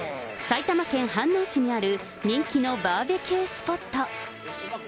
埼玉県飯能市にある、人気のバーベキュースポット。